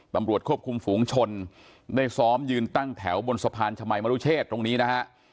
ตำรวจควบคุมฝูงชนได้ซ้อมยืนตั้งแถวบนสะพานชมัยมรุเชษตรงนี้นะฮะ